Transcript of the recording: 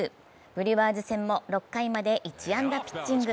ブリュワーズ戦も６回まで１安打ピッチング。